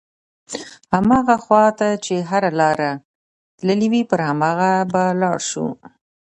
هماغه خواته چې هره لاره تللې وي پر هماغه به لاړ شو.